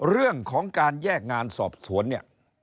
เรื่องของการแยกงานสอบสวนเนี่ย